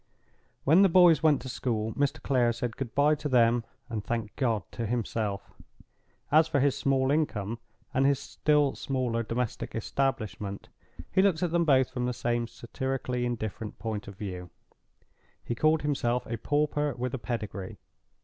When the boys went to school, Mr. Clare said "good by" to them—and "thank God" to himself. As for his small income, and his still smaller domestic establishment, he looked at them both from the same satirically indifferent point of view. He called himself a pauper with a pedigree.